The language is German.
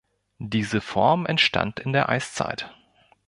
Diese Form entstand in der Eiszeit.